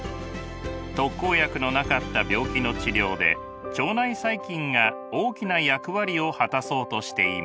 特効薬のなかった病気の治療で腸内細菌が大きな役割を果たそうとしています。